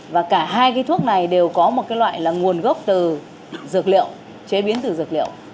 và cả hai cái thuốc này đều có một cái loại là nguồn gốc từ dược liệu chế biến từ dược liệu